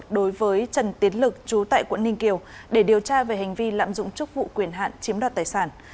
đối với trần tiến lực trú tại quận ninh kiều để điều tra về hành vi lạm dụng chức vụ quyền hạn chiếm đoạt tài sản